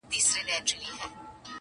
پوليس کور پلټي او هر کونج ته ځي,